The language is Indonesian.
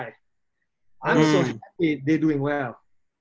aku senang mereka berjalan dengan baik